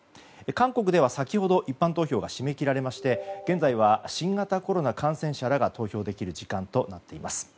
韓国では先ほど一般投票が締め切られ現在は新型コロナ感染者らが投票できる時間となっています。